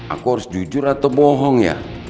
aku harus jujur atau bohong ya